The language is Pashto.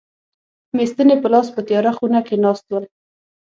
مې ستنې په لاس په تیاره خونه کې ناست ول.